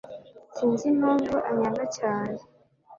Sinzi impamvu anyanga cyane